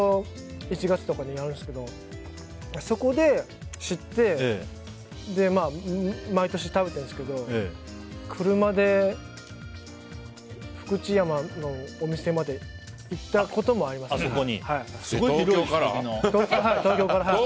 １月とかにやるんですけどそこで知って毎年、食べてるんですけど車で福知山のお店まで行ったこともありますね。